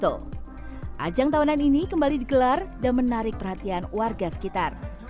di mana tempat ini terdampak keren dan menarik perhatian warga sekitar